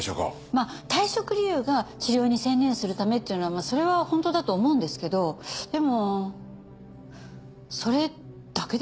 まあ退職理由が治療に専念するためっていうのはそれは本当だと思うんですけどでもそれだけですかね？